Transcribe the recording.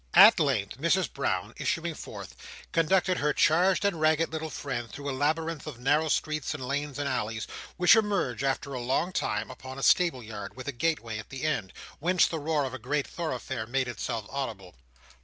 At length, Mrs Brown, issuing forth, conducted her changed and ragged little friend through a labyrinth of narrow streets and lanes and alleys, which emerged, after a long time, upon a stable yard, with a gateway at the end, whence the roar of a great thoroughfare made itself audible.